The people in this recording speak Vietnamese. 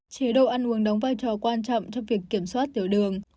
chế độ ăn uống đóng vai trò quan trọng trong việc kiểm soát tiểu đường